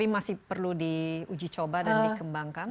masih perlu diuji coba dan dikembangkan